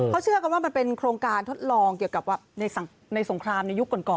เขาเชื่อกันว่ามันเป็นโครงการทดลองเกี่ยวกับในสงครามในยุคก่อน